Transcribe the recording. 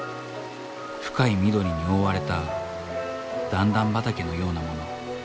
深い緑に覆われた段々畑のようなもの